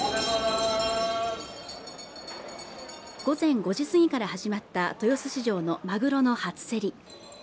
午前５時過ぎから始まった豊洲市場のマグロの初競り